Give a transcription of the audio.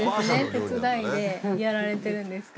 手伝いでやられてるんですか。